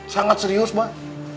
sangat serius bah